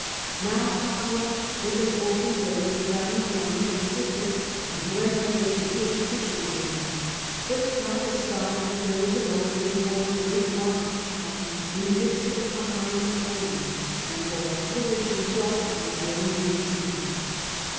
Now Capua was an open village without even a legal existence, and Tarentum a decayed fishing haven. But Caius thought that there was an opening for a great market town in the midst of the Campanian plain, and for a flourishing port on the Ionian Sea.